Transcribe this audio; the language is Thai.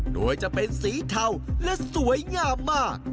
โดยจะเป็นสีเทาและสวยงามมาก